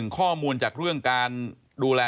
ข้อมูลจากดูแล